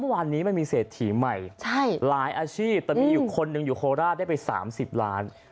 วันนี้มันมีเศรษฐีใหม่หลายอาชีพแต่มีอยู่คนหนึ่งอยู่โคราชได้ไป๓๐ล้าน